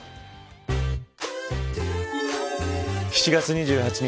７月２８日